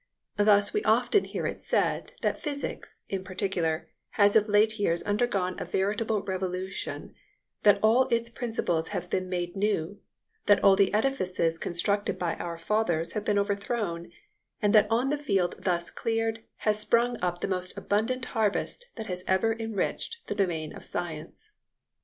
Thus we often hear it said that physics, in particular, has of late years undergone a veritable revolution; that all its principles have been made new, that all the edifices constructed by our fathers have been overthrown, and that on the field thus cleared has sprung up the most abundant harvest that has ever enriched the domain of science.